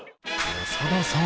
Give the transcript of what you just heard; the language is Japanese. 長田さん